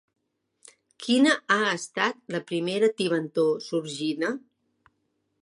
Quina ha estat la primera tibantor sorgida?